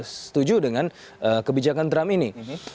yang juga tidak setuju dengan kebijakan trump ini